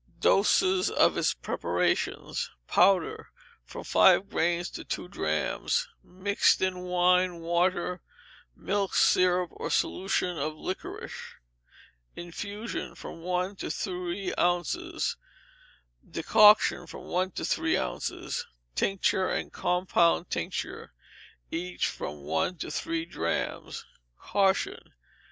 Doses of its preparations. Powder, from five grains to two drachms, mixed in wine, water, milk, syrup, or solution of liquorice; infusion, from one to three ounces; decoction, from one to three ounces; tincture and compound tincture, each from one to three drachms. Caution.